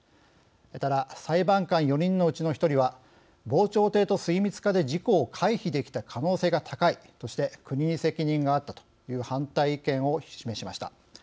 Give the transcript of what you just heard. ただ、裁判官４人のうちの１人は防潮堤と水密化で事故を回避できた可能性が高いとして国に責任があったという反対意見を示しました。